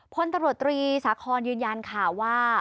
พลตำรวจตรีสาคอนยืนยันค่ะว่า